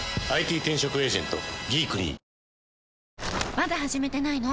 まだ始めてないの？